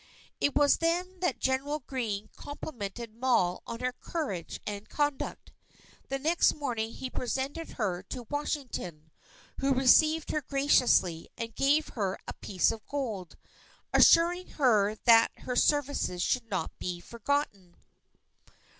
It was then that General Greene complimented Moll on her courage and conduct. The next morning he presented her to Washington, who received her graciously, and gave her a piece of gold, assuring her that her services should not be forgotten.